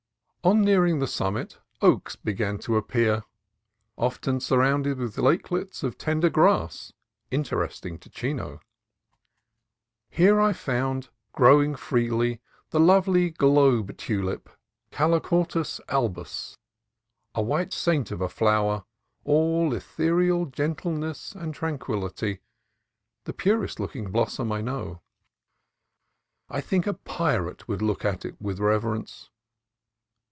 On nearing the summit oaks began to appear, often surrounded with lakelets of tender grass, in teresting to Chino. Here I found growing freely the lovely globe tulip (Calochortus albus), a white saint of a flower, all ethereal gentleness and tranquillity, the purest looking blossom I know. I think a pirate would look at it with reverence.